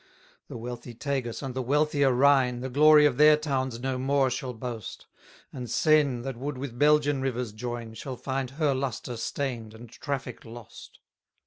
299 The wealthy Tagus, and the wealthier Rhine, The glory of their towns no more shall boast; And Seine, that would with Belgian rivers join, Shall find her lustre stain'd, and traffic lost.